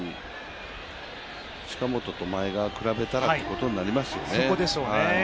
近本と前川を比べたらということになりますよね。